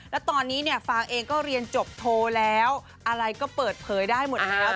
แล้วตอนนี้เนี่ยฟางเองก็เรียนจบโทรแล้วอะไรก็เปิดเผยได้หมดแล้ว